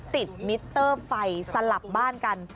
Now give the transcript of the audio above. มิเตอร์ไฟสลับบ้านกัน